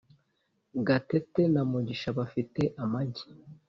gatete na mugisha bafite amagi